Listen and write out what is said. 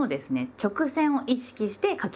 直線を意識して書きます。